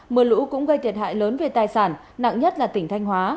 mưa lũ cũng gây thiệt hại lớn về tài sản nặng nhất là tỉnh thanh hóa